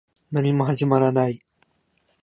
何も始まらない